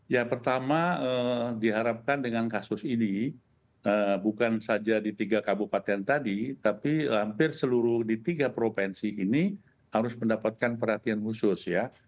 ya pertama diharapkan dengan kasus ini bukan saja di tiga kabupaten tadi tapi hampir seluruh di tiga provinsi ini harus mendapatkan perhatian khusus ya